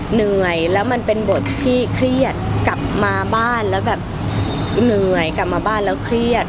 เหนื่อยแล้วมันเป็นบทที่เครียดกลับมาบ้านแล้วแบบเหนื่อยกลับมาบ้านแล้วเครียด